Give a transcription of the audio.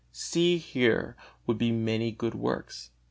See, here would be many good works.